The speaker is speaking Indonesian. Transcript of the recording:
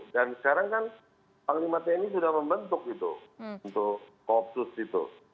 dan sekarang kan panglima tni sudah membentuk itu untuk koopsus itu